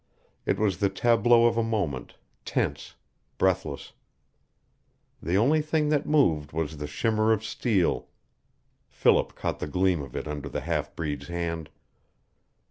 It was the tableau of a moment, tense, breathless. The only thing that moved was the shimmer of steel. Philip caught the gleam of it under the half breed's hand.